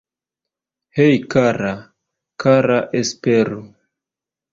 Hej, kara, kara.. Esperu